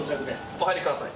お入りください。